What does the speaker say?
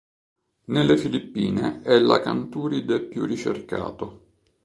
Nelle Filippine è l'acanturide più ricercato.